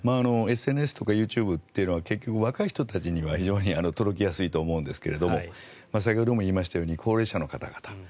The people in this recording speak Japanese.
ＳＮＳとかＹｏｕＴｕｂｅっていうのは結局、若い人たちには非常に届きやすいとは思うんですが先ほども言いましたように高齢者の方々